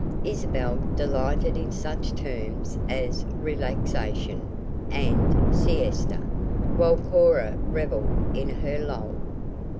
Isabel delighted in such terms as "relaxation" and "siesta," while Cora reveled in her "loll."